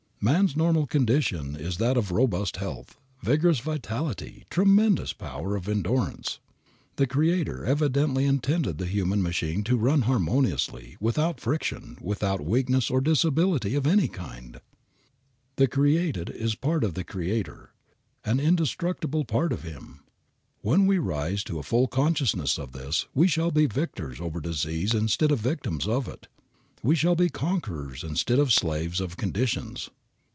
Man's normal condition is that of robust health, vigorous vitality, tremendous power of endurance. The Creator evidently intended the human machine to run harmoniously, without friction, without weakness or disability of any kind. The created is a part of the Creator, an indestructible part of Him. When we rise to a full consciousness of this we shall be victors over disease instead of victims of it; we shall be conquerors instead of slaves of conditions.